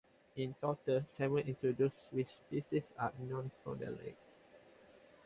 In total, seven introduced fish species are known from the lake.